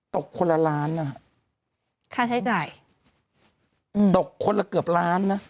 ตกคนละล้านค่าใช้จ่ายตกคนละเกือบล้าน